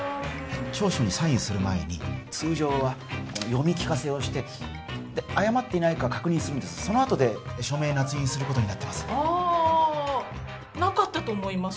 調書にサインする前に通常は読み聞かせをして誤っていないか確認してそのあと署名捺印することになってますああなかったと思います